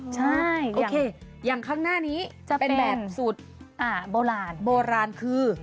ใช่โอเคอย่างข้างหน้านี้จะเป็นแบบสูตรโบราณโบราณคือ